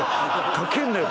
かけるなよ！